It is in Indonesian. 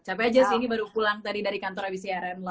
capek aja sih ini baru pulang tadi dari kantor abis siaran